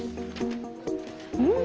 うん。